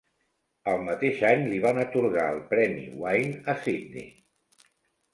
El mateix any li van atorgar el premi Wynne a Sydney.